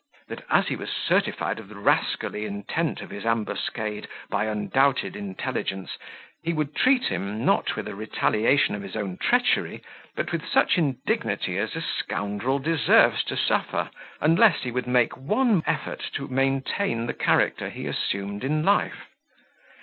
That, as he was certified of the rascally intent of his ambuscade by undoubted intelligence, he would treat him, not with a retaliation of his own treachery, but with such indignity as a scoundrel deserves to suffer, unless he would make one effort to maintain the character he assumed in life.